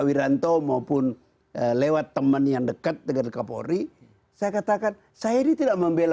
wiranto maupun lewat teman yang dekat dengan kapolri saya katakan saya ini tidak membela